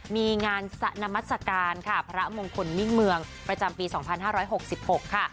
มีงานสนามัสการค่ะพระมงคลมิ่งเมืองประจำปีสองพันห้าร้อยหกสิบหกค่ะ